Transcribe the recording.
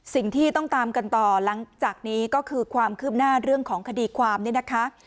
สิ่งที่ต้องตามกันต่อหลังจากนี้ก็คือความคืบหน้าเรื่องของคดีความเนี่ยนะคะ